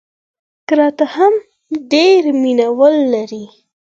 کراته هم ډېر مینه وال لري.